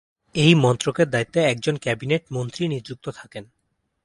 এই মন্ত্রকের দায়িত্বে একজন ক্যাবিনেট মন্ত্রী নিযুক্ত থাকেন।